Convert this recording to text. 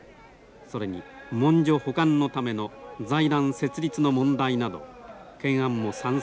それに文書保管のための財団設立の問題など懸案も山積しています。